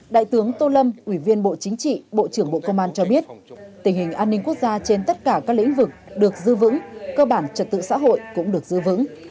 đại tướng tô lâm ủy viên bộ chính trị bộ trưởng bộ công an cho biết tình hình an ninh quốc gia trên tất cả các lĩnh vực được dư vững cơ bản trật tự xã hội cũng được giữ vững